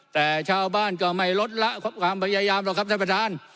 แต่ชาวบ้านก็ไม่ลดละความพยายามหรอกครับท่านประธาน